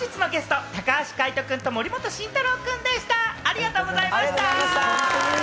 本日のゲスト高橋海人君と森本慎太郎君でした。